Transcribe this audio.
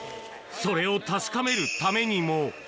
それを確かめるためにも。